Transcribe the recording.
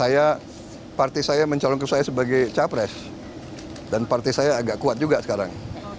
ya parti saya mencalon kursi saya sebagai capres dan parti saya agak kuat juga sekarang